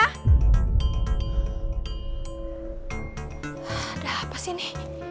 ada apa sih ini